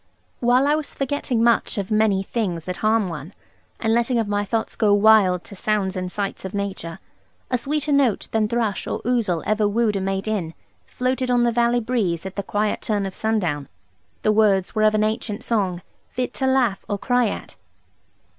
While I was forgetting much of many things that harm one, and letting of my thoughts go wild to sounds and sights of nature, a sweeter note than thrush or ouzel ever wooed a mate in, floated on the valley breeze at the quiet turn of sundown. The words were of an ancient song, fit to laugh or cry at.